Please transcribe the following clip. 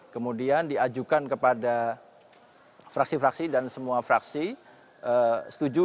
kemudian diajukan kepada fraksi fraksi dan semua fraksi setuju